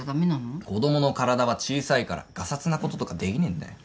子供の体は小さいからがさつなこととかできねえんだよ。